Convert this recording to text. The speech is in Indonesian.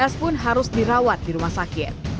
s pun harus dirawat di rumah sakit